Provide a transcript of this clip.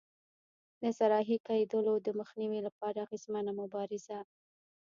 د صحرایې کېدلو د مخنیوي لپاره اغېزمنه مبارزه.